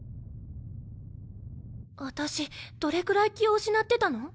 私どれくらい気を失ってたの？